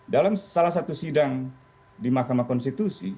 dalam salah satu sidang di mahkamah konstitusi